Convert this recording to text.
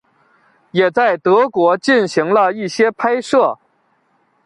也在德国进行了一些拍摄。